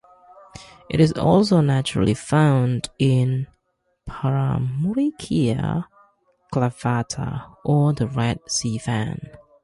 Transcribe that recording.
It is also naturally found in "Paramuricea clavata", or the Red Sea Fan.